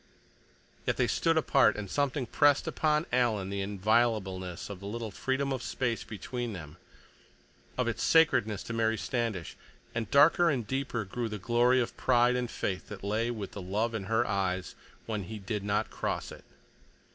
Yet they stood apart, and something pressed upon Alan the inviolableness of the little freedom of space between them, of its sacredness to Mary Standish, and darker and deeper grew the glory of pride and faith that lay with the love in her eyes when he did not cross it.